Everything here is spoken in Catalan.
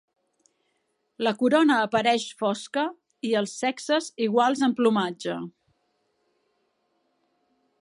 La corona apareix fosca i els sexes iguals en plomatge.